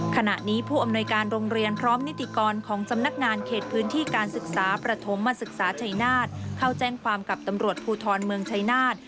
ขณะนี้ผู้อำนวยการโรงเรียนพร้อมนิติกรของสำนักงานเขตพื้นที่การศึกษาประถมมาศึกษาชัยนาฏเข้าแจ้งความกับตำรวจภูทรเมืองชัยนาธ